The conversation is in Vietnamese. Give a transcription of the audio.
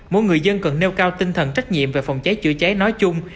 mỗi người dân cần nêu cao tinh thần trách nhiệm về phòng cháy chữa cháy nói chung